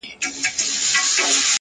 زلفي يې زما پر سر سايه جوړوي!!